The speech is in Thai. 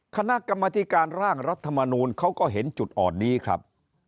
คณะกรรมธิการร่างรัฐมนูลเขาก็เห็นจุดอ่อนนี้ครับ